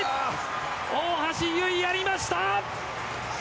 大橋悠依、やりました！